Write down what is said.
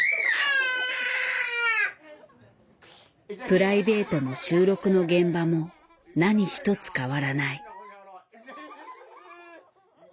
プライベートも収録の現場も何一つ変わらない。